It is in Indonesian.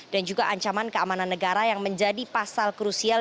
juga ancaman keamanan negara yang menjadi pasal krusial